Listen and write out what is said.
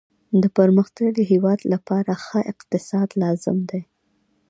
د پرمختللي هیواد لپاره ښه اقتصاد لازم دی